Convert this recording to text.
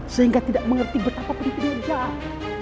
sehingga tidak mengerti betapa pentingnya jahat